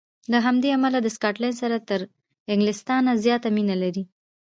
له همدې امله د سکاټلنډ سره تر انګلیستان زیاته مینه لري.